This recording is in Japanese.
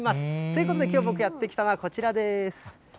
ということで、きょう僕やって来たのは、こちらです。